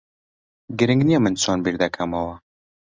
گرنگ نییە من چۆن بیر دەکەمەوە.